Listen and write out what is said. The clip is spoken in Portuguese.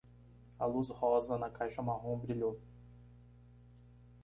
A luz rosa na caixa marrom brilhou.